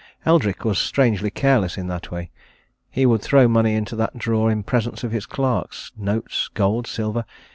Eldrick was strangely careless in that way: he would throw money into that drawer in presence of his clerks notes, gold, silver.